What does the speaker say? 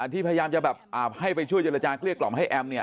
ที่พยายามจะแบบให้ไปช่วยเจรจารย์เกลียดกล่อมาให้แอม